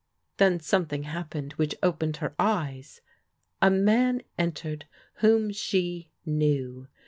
Then something happened which opened her eyes. A man entered whom she knew.